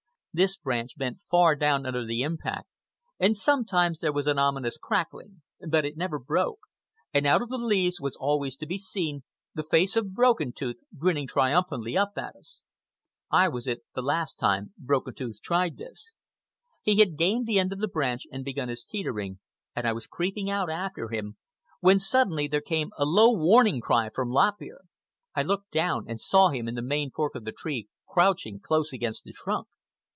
This branch bent far down under the impact, and sometimes there was an ominous crackling; but it never broke, and out of the leaves was always to be seen the face of Broken Tooth grinning triumphantly up at us. I was "It" the last time Broken Tooth tried this. He had gained the end of the branch and begun his teetering, and I was creeping out after him, when suddenly there came a low warning cry from Lop Ear. I looked down and saw him in the main fork of the tree crouching close against the trunk.